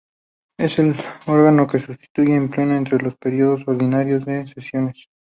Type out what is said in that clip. Es el órgano que sustituye al Pleno entre los períodos ordinarios de sesiones.